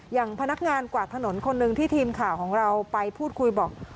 อย่างพนักงานกวาดถนนคนหนึ่งที่ทีมข่าวของเราไปพูดคุยบอก